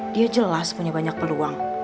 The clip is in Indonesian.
dia jelas punya banyak peluang